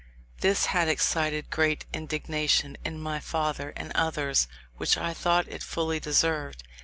This had excited great indignation in my father and others, which I thought it fully deserved.